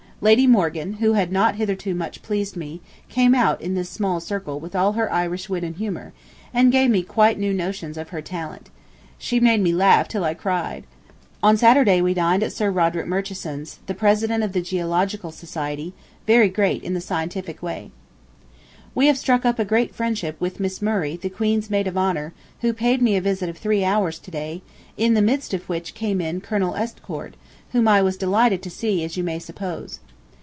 Lady Morgan, who had not hitherto much pleased me, came out in this small circle with all her Irish wit and humor, and gave me quite new notions of her talent. She made me laugh till I cried. On Saturday we dined at Sir Roderick Murchison's, the President of the Geological Society, very great in the scientific way. [Picture: George Bancroft. From the painting by C. C. Ingham in the possession of William J. A. Bliss] We have struck up a great friendship with Miss Murray, the Queen's Maid of Honor, who paid me a visit of three hours to day, in the midst of which came in Colonel Estcourt, whom I was delighted to see, as you may suppose.